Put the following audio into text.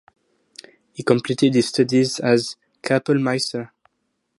He completed his studies as Kapellmeister.